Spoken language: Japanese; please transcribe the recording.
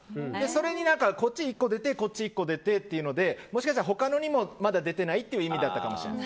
それでこっち１個出てこっち１個出てっていうのでもしかしたら、他のにまだ出てないって意味かも。